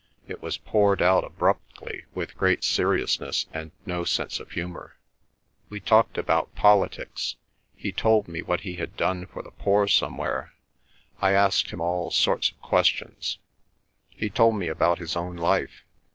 It was poured out abruptly with great seriousness and no sense of humour. "We talked about politics. He told me what he had done for the poor somewhere. I asked him all sorts of questions. He told me about his own life.